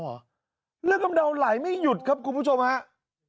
เป็นเลือกงำเดาไหลไม่หยุดครับคุณผู้ชมนะครับ